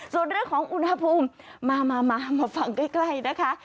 ส่วนเรื่องของอุณหภูมิมามาฟังใกล้นะคะ